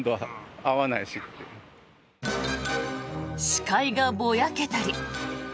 視界がぼやけたり。